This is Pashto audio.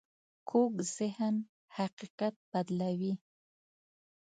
کوږ ذهن حقیقت بدلوي